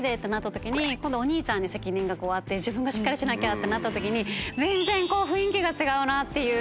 時にお兄ちゃんに責任があって自分がしっかりしなきゃ！ってなった時に全然雰囲気が違うなっていう。